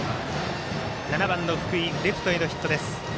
７番の福井、レフトへのヒット。